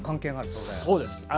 そうです。